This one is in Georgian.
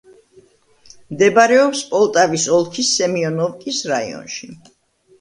მდებარეობს პოლტავის ოლქის სემიონოვკის რაიონში.